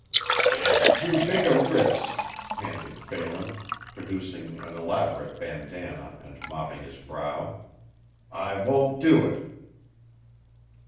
"It's too big a risk," panted Phelan, producing an elaborate bandana and mopping his brow. "I won't do it."